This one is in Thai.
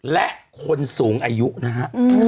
และคนสูงอายุนะฮะ